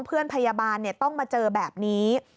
เพื่อนพยาบาลต้องมาเจอแบบนี้